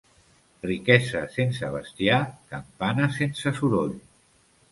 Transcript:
Riquesa sense bestiar, campana sense soroll.